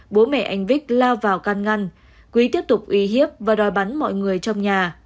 bố mẹ anh vích lao vào can ngăn quý tiếp tục uy hiếp và đòi bắn mọi người trong nhà